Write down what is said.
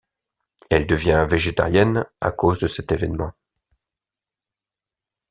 Elle devient végétarienne à cause de cet événement.